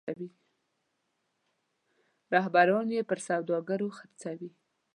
رهبران یې پر سوداګرو خرڅوي.